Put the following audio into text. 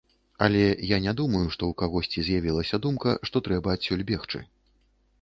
Але я не думаю, што ў кагосьці з'явілася думка, што трэба адсюль бегчы.